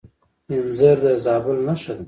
انځر د زابل نښه ده.